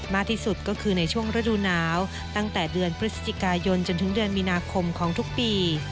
มากที่สุดก็คือในช่วงฤดูหนาวตั้งแต่เดือนพฤศจิกายนจนถึงเดือนมีนาคมของทุกปี